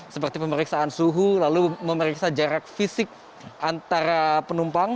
seperti pemeriksaan suhu lalu memeriksa jarak fisik antara penumpang